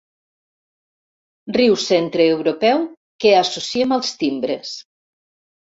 Riu centreeuropeu que associem als timbres.